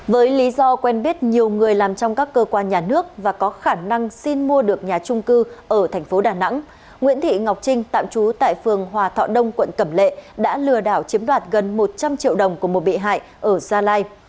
với lý do quen biết nhiều người làm trong các cơ quan nhà nước và có khả năng xin mua được nhà trung cư ở tp đà nẵng nguyễn thị ngọc trinh tạm trú tại phường hòa thọ đông quận cẩm lệ đã lừa đảo chiếm đoạt gần một trăm linh triệu đồng của một bị hại ở gia lai